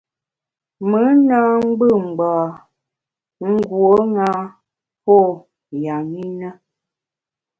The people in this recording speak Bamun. Mùn na ngbù ngbâ nguo ṅa pô ya ṅi na.